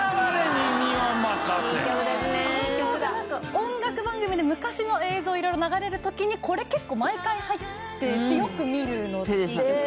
音楽番組で昔の映像色々流れる時にこれ結構毎回入っててよく見るので。